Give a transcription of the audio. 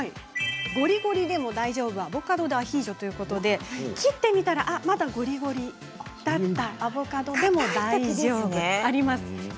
ゴリゴリでも大丈夫アボカドでアヒージョということで切ってみたらゴリゴリだったアボカドでも大丈夫ということです。